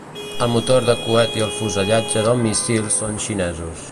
El motor de coet i el fuselatge del míssil són xinesos.